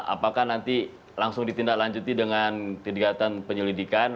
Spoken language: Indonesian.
apakah nanti langsung ditindaklanjuti dengan kegiatan penyelidikan